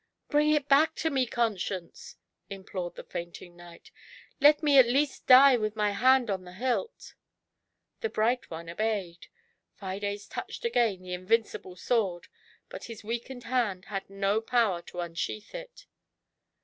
"Bring it back to me, Conscience!" implored the fainting knight; "let me at least die with my hand on the hilt." The bright one obeyed: Fides touched again the in vincible sword, but his weakened hand had no power to unsheath it.